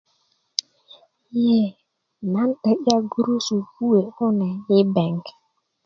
ye nan 'deya gurusu kuwe kune i bank